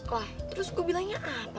wah terus gue bilangnya apa